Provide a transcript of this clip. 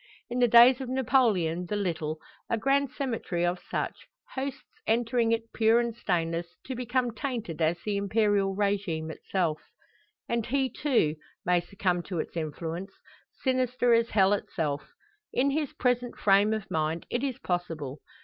In the days of Napoleon the Little, a grand cemetery of such; hosts entering it pure and stainless, to become tainted as the Imperial regime itself. And he, too, may succumb to its influence, sinister as hell itself. In his present frame of mind it is possible.